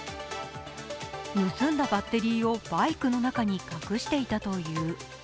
盗んだバッテリーをバイクの中に隠していたという。